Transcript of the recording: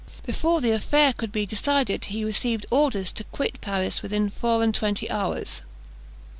Before the affair could be decided, he received orders to quit Paris within four and twenty hours.